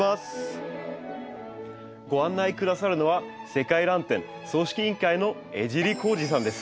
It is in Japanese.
ご案内下さるのは世界らん展組織委員会の江尻光二さんです。